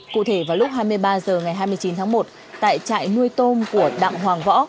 cụ thể vào lúc hai mươi ba h ngày hai mươi chín tháng một tại trại nuôi tôm của đặng hoàng võ